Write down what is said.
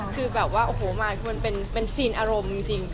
คือแบบว่าโอ้โหมาคือมันเป็นซีนอารมณ์จริง